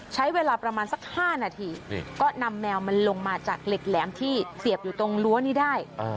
ใช้เวลาประมาณสัก๕นาทีก็นำแมวมันลงมาจากเหล็กแหลมที่เสียบอยู่ตรงรั้วนี้ได้